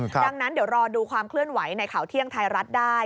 ดังนั้นเดี๋ยวรอดูความเคลื่อนไหวในข่าวเที่ยงไทยรัฐได้